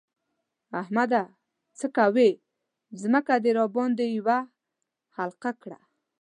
احمده! څه کوې؛ ځمکه دې راباندې يوه حقله کړه.